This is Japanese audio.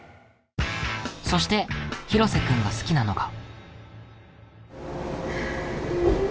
そして廣瀬くんが好きなのが。